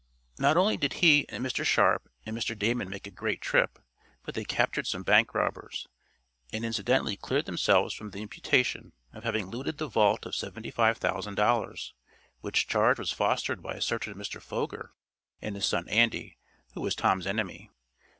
Not only did he and Mr. Sharp and Mr. Damon make a great trip, but they captured some bank robbers, and incidentally cleared themselves from the imputation of having looted the vault of seventy five thousand dollars, which charge was fostered by a certain Mr. Foger, and his son Andy, who was Tom's enemy.